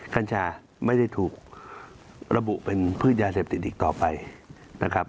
กัญชาไม่ได้ถูกระบุเป็นพืชยาเสพติดอีกต่อไปนะครับ